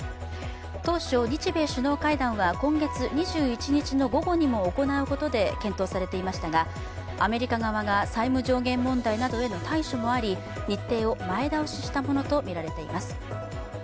当初、日米首脳会談は今月２１日の午後にも行うことで検討されていましたがアメリカ側が債務上限問題などへの対処もあり日程を前倒ししたものとみられています。